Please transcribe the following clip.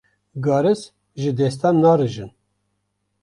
Garis ji destan narijin.